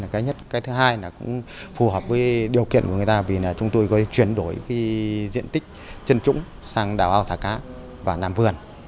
cái thứ hai là cũng phù hợp với điều kiện của người ta vì chúng tôi có chuyển đổi diện tích chân trũng sang đảo ao thả cá và làm vườn